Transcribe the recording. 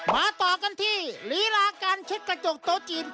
ต่อกันที่ลีลาการเช็ดกระจกโต๊ะจีน